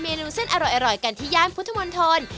นูเส้นอร่อยกันที่ย่านพุทธมนตร